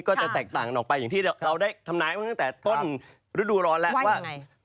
ก็จะแตกต่างออกไปอย่างที่เราได้ทำนายมาตั้งแต่ต้นฤดูร้อนแล้วว่า